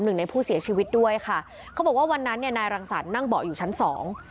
หนึ่งในผู้เสียชีวิตด้วยค่ะเขาบอกว่าวันนั้นเนี่ยนายรังสรรค์นั่งเบาะอยู่ชั้นสอง